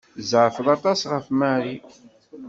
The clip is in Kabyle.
Tzeɛfeḍ aṭas ɣef Mary.